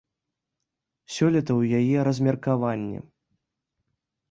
Сёлета ў яе размеркаванне.